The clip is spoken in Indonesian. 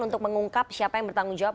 untuk mengungkap siapa yang bertanggung jawab